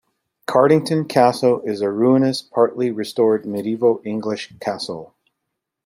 Cartington Castle is a ruinous, partly restored medieval English castle.